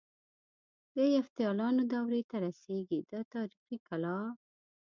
د یفتلیانو دورې ته رسيږي دا تاریخي کلا.